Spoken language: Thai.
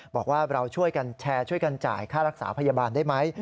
บอกว่าเราช่วยกันแชร์ช่วยกันจ่ายค่ารักษาพยาบาลได้ไหม